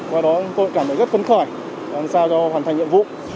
qua đó tôi cảm thấy rất phấn khởi làm sao cho hoàn thành nhiệm vụ